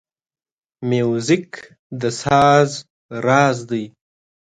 موزیک د ساز راز دی.